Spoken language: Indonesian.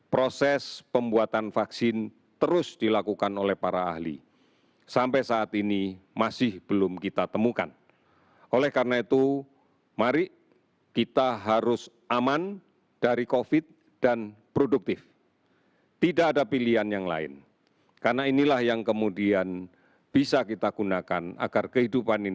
proses pembuatan vaksin terus dilakukan oleh para ahli negara